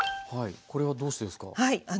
これはどうしてですか？